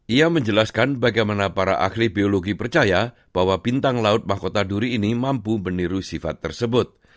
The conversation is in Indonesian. ia menjelaskan bagaimana para ahli biologi percaya bahwa bintang laut mahkota duri ini mampu meniru sifat tersebut